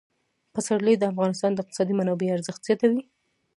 پسرلی د افغانستان د اقتصادي منابعو ارزښت زیاتوي.